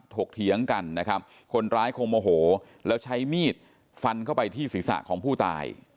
เถียงกันนะครับคนร้ายคงโมโหแล้วใช้มีดฟันเข้าไปที่ศีรษะของผู้ตาย